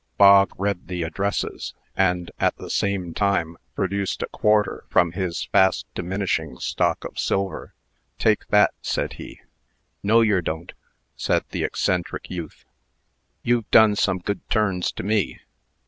Bog read the addresses, and, at the same time, produced a quarter from his fast diminishing stock of silver. "Take that," said he. "No yer don't!" said the eccentric youth. "You've done some good turns to me.